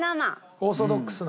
オーソドックスな。